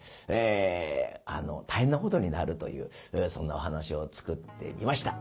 え大変なことになるというそんなお噺を作ってみました。